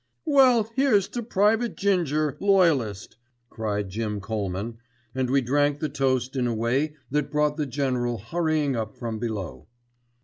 "Well, here's to Private Ginger, loyalist," cried Jim Colman, and we drank the toast in a way that brought the General hurrying up from below.